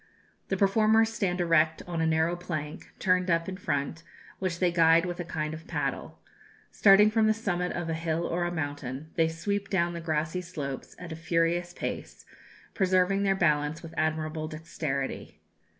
The performers stand erect on a narrow plank, turned up in front, which they guide with a kind of paddle. Starting from the summit of a hill or a mountain, they sweep down the grassy slopes at a furious pace, preserving their balance with admirable dexterity.